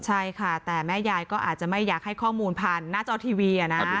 ใช่ค่ะแต่แม่ยายก็อาจจะไม่อยากให้ข้อมูลผ่านหน้าจอทีวี